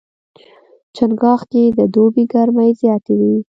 چنګاښ کې د دوبي ګرمۍ زیاتې وي.